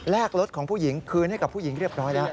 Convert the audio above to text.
รถของผู้หญิงคืนให้กับผู้หญิงเรียบร้อยแล้ว